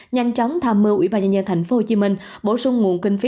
nhanh chóng tham mưu ủy ban nhân dân thành phố hồ chí minh bổ sung nguồn kinh phí